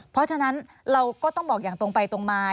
เพราะฉะนั้นเราก็ต้องบอกอย่างตรงไปตรงมา